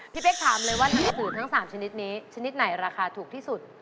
พี่เป๊กถามเลยว่าหนังสือทั้ง๓ชนิดนี้ชนิดไหนราคาถูกที่สุด